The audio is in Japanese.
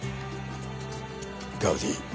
ガウディ。